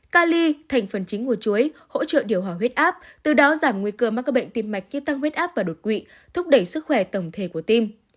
cali thành phần chính của chuối hỗ trợ điều hòa huyết áp từ đó giảm nguy cơ mắc các bệnh tim mạch như tăng huyết áp và đột quỵ thúc đẩy sức khỏe tổng thể của tim